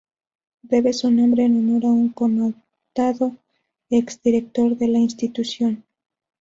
Debe su nombre en honor a un connotado ex directivo de la institución.